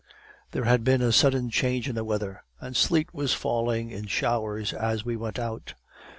"There had been a sudden change in the weather, and sleet was falling in showers as we went out.